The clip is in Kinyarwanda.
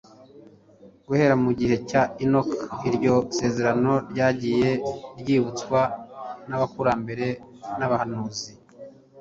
Guhera mu gihe cya Enoki iryo sezerano ryagiye ryibutswa n'abakurambere n'abahanuzi,